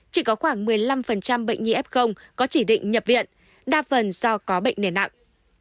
chỉ có khoảng một mươi năm bệnh nhi f có chỉ định nhập viện đa phần do có bệnh nền nặng